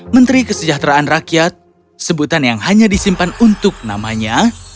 menteri kesejahteraan rakyat sebutan yang hanya disimpan untuk namanya